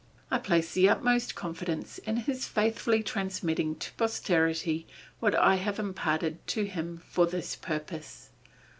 I place the utmost confidence in his faithfully transmitting to posterity what I have imparted to him for this purpose.